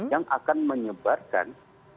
yang akan menyebarkan